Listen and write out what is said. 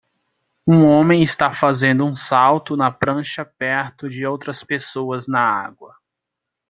Um homem está fazendo um salto na prancha perto de outras pessoas na água.